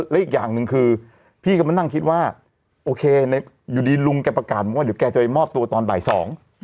และอีกอย่างหนึ่งคือพี่ก็มานั่งคิดว่าโอเคอยู่ดีลุงแกประกาศบอกว่าเดี๋ยวแกจะไปมอบตัวตอนบ่ายสอง